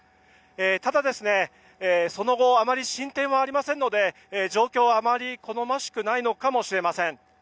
ただ、その後あまり進展はありませんので状況はあまり好ましくないのかもしれません。